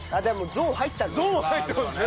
ゾーン入ってますね。